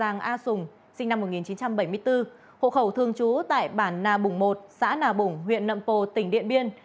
giang a sùng sinh năm một nghìn chín trăm bảy mươi bốn hộ khẩu thương chú tại bản nà bùng một xã nà bùng huyện nậm pồ tỉnh điện biên